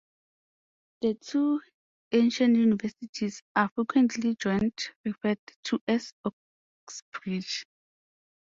The two "ancient universities" are frequently jointly referred to as "Oxbridge".